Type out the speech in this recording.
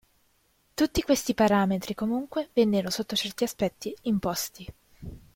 Tutti questi parametri, comunque, vennero sotto certi aspetti imposti.